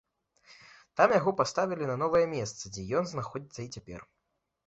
Там яго паставілі на новае месца, дзе ён знаходзіцца і цяпер.